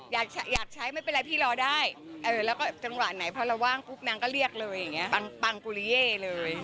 อยากใช้ไม่เป็นไรพี่รอได้แล้วก็จังหวะไหนเพราะเราว่างกรุ๊ปนังก็เรียกเลยปังกุลเย่เลย